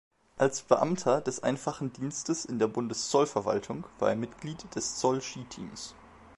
Als Beamter des einfachen Dienstes in der Bundeszollverwaltung war er Mitglied des Zoll-Ski-Teams.